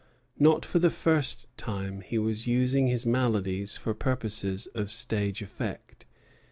Not for the first time, he was utilizing his maladies for purposes of stage effect.